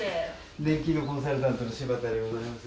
年金コンサルタントの柴田でございます。